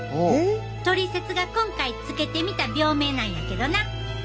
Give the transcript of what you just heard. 「トリセツ」が今回付けてみた病名なんやけどな！